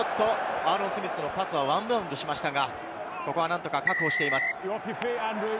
アーロン・スミスのパスはワンバウンドしましたが、何とか確保しています。